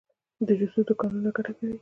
د جوسو دکانونه ګټه کوي؟